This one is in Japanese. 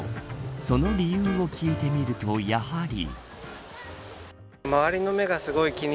その理由を聞いてみるとやはり。